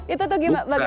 itu tuh gimana pak menteri